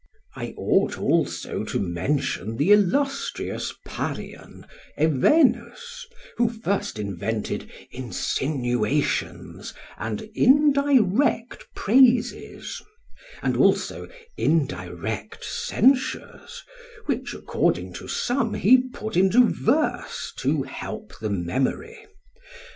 I ought also to mention the illustrious Parian, Evenus, who first invented insinuations and indirect praises; and also indirect censures, which according to some he put into verse to help the memory.